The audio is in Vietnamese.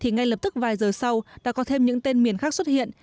ngay lập tức vài giờ sau đã có thêm những tên miền khác xuất hiện